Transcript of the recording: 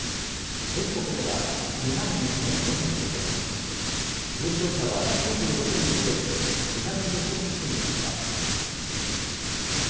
全国では２万２０４５人、重症者は９６人増えて２２１人でした。